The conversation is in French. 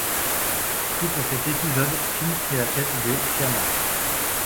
Suite à cet épisode Finn prit la tête des Fianna.